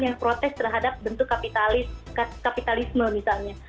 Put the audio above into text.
yang protes terhadap bentuk kapitalisme misalnya